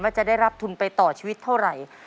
จะได้รับทุนไปต่อชีวิตเท่าไหร่